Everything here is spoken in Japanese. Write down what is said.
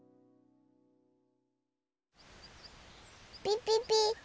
ピピピ。